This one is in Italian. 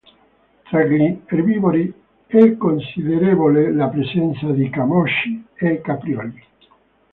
Tra gli erbivori è considerevole la presenza di camosci e caprioli.